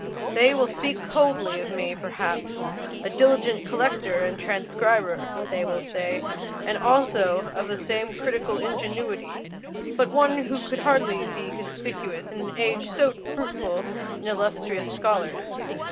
They will speak coldly of me, perhaps: 'a diligent collector and transcriber,' they will say, 'and also of some critical ingenuity, but one who could hardly be conspicuous in an age so fruitful in illustrious scholars.